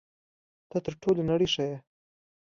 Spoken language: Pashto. ته تر ټولې نړۍ ښه یې.